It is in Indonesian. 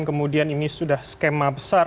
kemudian ini sudah skema besar